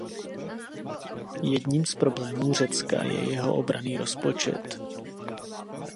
Jedním z problémů Řecka je jeho obranný rozpočet.